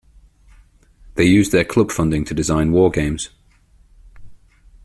They used their club funding to design war games.